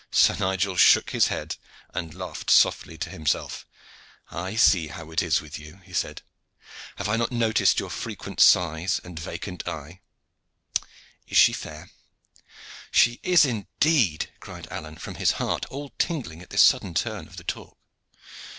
Sir Nigel shook his head and laughed softly to himself, "I see how it is with you," he said. "Have I not noted your frequent sighs and vacant eye? Is she fair?" "She is indeed," cried Alleyne from his heart, all tingling at this sudden turn of the talk.